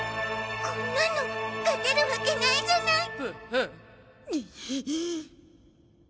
こんなの勝てるわけないじゃない。